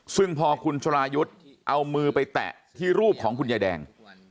ซึ่งพอคุณชรายุทธ์เอามือไปแตะที่รูปของคุณยายแดง